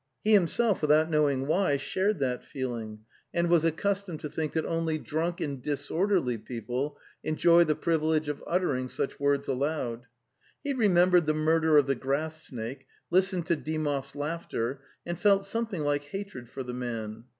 He himself, without knowing The Steppe gO why, shared that feeling and was accustomed to think that only drunk and disorderly people enjoy the privilege of uttering such words aloud. He re membered the murder of the grass snake, listened to Dymov's laughter, and felt something like hatred for the man.